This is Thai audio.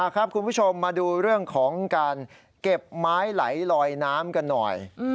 คุณผู้ชมมาดูเรื่องของการเก็บไม้ไหลลอยน้ำกันหน่อย